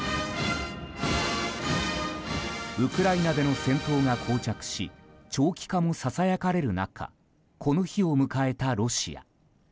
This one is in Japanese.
ウクライナでの戦闘が膠着し長期化もささやかれる中この日を迎えたロシア。